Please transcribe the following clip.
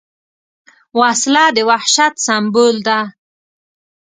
وسله د وحشت سمبول ده